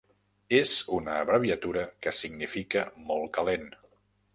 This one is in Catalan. És una abreviatura que significa "molt calent".